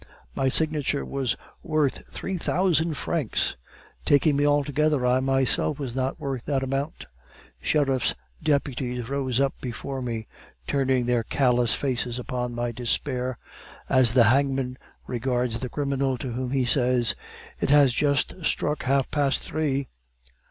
My signature was worth three thousand francs! Taking me altogether, I myself was not worth that amount. Sheriff's deputies rose up before me, turning their callous faces upon my despair, as the hangman regards the criminal to whom he says, 'It has just struck half past three.